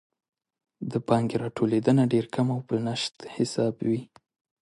د پانګې راټولیدنه ډېر کم او په نشت حساب وي.